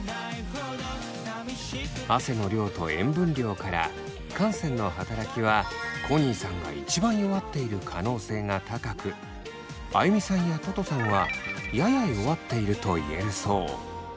汗の量と塩分量から汗腺の働きはコニーさんがいちばん弱っている可能性が高くあゆみさんやととさんはやや弱っていると言えるそう。